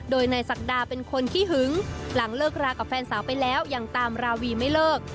โดยนายศักดาเป็นคนขี้หึงหลังเลิกรากับแฟนสาวไปแล้วยังตามราวีไม่เลิก